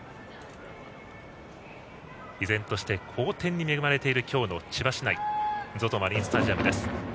依然として好天に恵まれている今日の千葉市内のＺＯＺＯマリンスタジアムです。